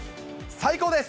最高です。